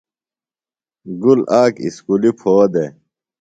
گُل آک اُسکُلیۡ پھو دےۡ۔